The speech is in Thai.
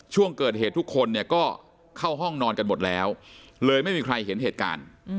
ช่วงเกิดเหตุทุกคนเนี่ยก็เข้าห้องนอนกันหมดแล้วเลยไม่มีใครเห็นเหตุการณ์